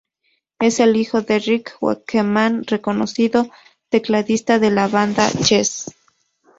Es el hijo de Rick Wakeman, reconocido tecladista de la banda "Yes".